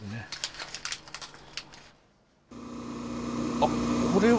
あっ、これは？